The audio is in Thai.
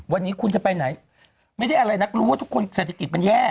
วันนี้คุณจะไปไหนไม่ได้อะไรนักรู้ว่าทุกคนเศรษฐกิจมันแย่